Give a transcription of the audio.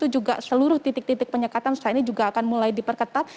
juga seluruh titik titik penyekatan saat ini juga akan mulai diperketat